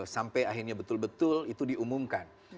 sampai akhirnya betul betul itu diumumkan